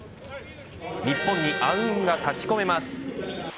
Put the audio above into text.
日本に暗雲が立ち込めます。